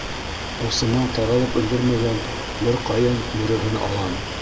Усыма таралып өлгөрмәгән бер ҡайын бө-рөһөн алам.